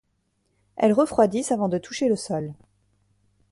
Elles refroidissent avant de toucher le sol.